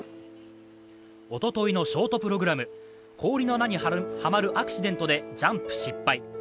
おとといのショートプログラム、氷の穴にはまるアクシデントでジャンプ失敗。